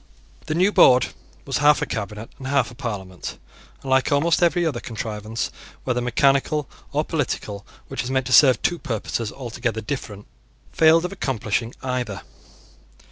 The new board was half a cabinet and half a Parliament, and, like almost every other contrivance, whether mechanical or political, which is meant to serve two purposes altogether different, failed of accomplishing either.